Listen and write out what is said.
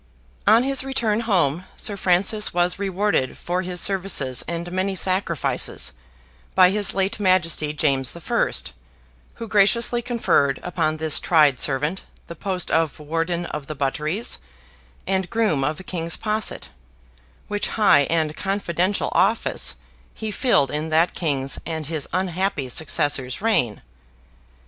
On his return home Sir Francis was rewarded for his services and many sacrifices, by his late Majesty James the First, who graciously conferred upon this tried servant the post of Warden of the Butteries and Groom of the King's Posset, which high and confidential office he filled in that king's and his unhappy successor's reign.